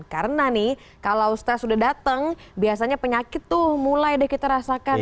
karena nih kalau stress sudah datang biasanya penyakit tuh mulai deh kita rasakan ya